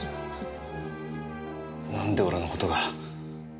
なんで俺の事が。